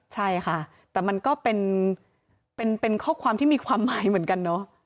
ใช่ค่ะแต่มันก็เป็นข้อความที่มีความหมายเหมือนกันเนอะ